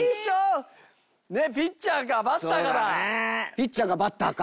ピッチャーかバッターか。